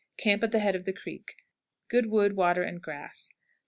Camp at the head of the creek. Good wood, water, and grass. 12.